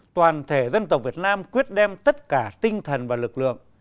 toàn thể dân tộc việt nam quyết đem tất cả tinh thần và lực lượng